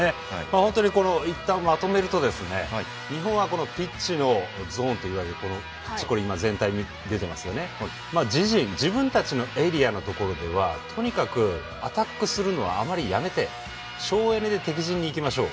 いったん、まとめると日本はピッチのゾーンといわれる自陣、自分たちのエリアのところではとにかくアタックするのはあまりやめて省エネで敵陣にいきましょう。